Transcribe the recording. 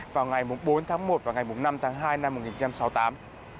vào ngày bốn tháng một và ngày năm tháng hai năm một nghìn chín trăm sáu mươi tám